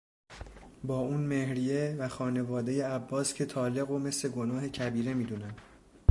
با اون مهریه و خانواده عباس که طالق و مث گناهه کبیره می دونن